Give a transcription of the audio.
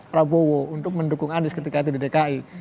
prabowo untuk mendukung anies ketika itu di dki